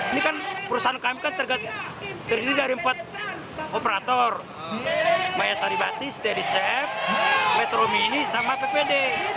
ini kan perusahaan kami terdiri dari empat operator maya saribati stedisep metro mini sama ppd